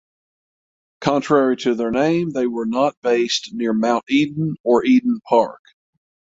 Contrary to their name they were not based near Mt Eden or Eden Park.